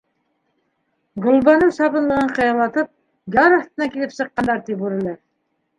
Гөлбаныу сабынлығын ҡыялатып, яр аҫтынан килеп сыҡҡандар, ти бүреләр.